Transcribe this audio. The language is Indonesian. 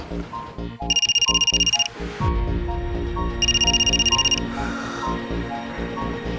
ya pak remon